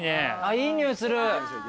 いい匂いする。